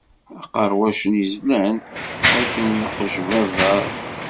Aqerwac-nni zlan, akken d aqejbabbaṛ.